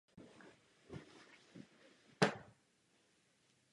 Jeho autobiografický román "Flash ou le Grand Voyage" měl veliký úspěch.